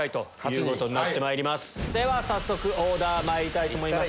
早速オーダーまいりたいと思います。